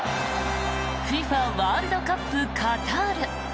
ＦＩＦＡワールドカップカタール。